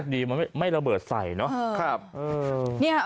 ดีมันไม่ระเบิดใส่เนอะ